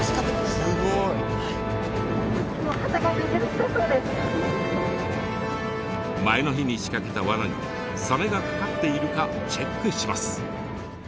すごい！前の日に仕掛けた罠にサメが掛かっているかチェックします。